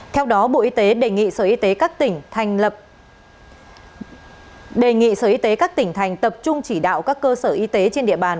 theo đó bộ y tế đề nghị sở y tế các tỉnh thành tập trung chỉ đạo các cơ sở y tế trên địa bàn